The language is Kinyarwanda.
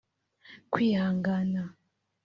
kwihangana